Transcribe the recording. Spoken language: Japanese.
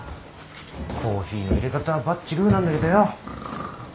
コーヒーの入れ方はバッチグーなんだけどよぉ。